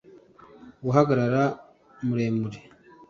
Guhagarara muremure